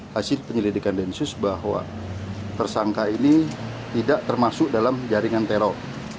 hasil penyelidikan densus bahwa tersangka ini tidak termasuk dalam jaringan teror